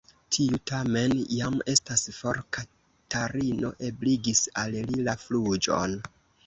Tiu tamen jam estas for: Katarino ebligis al li la fuĝon.